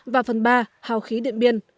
và phần ba hào khí điện biên